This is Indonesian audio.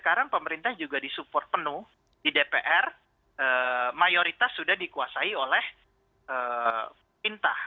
sekarang pemerintah juga disupport penuh di dpr mayoritas sudah dikuasai oleh pinta